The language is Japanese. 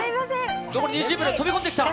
残り２０秒で飛び込んできた！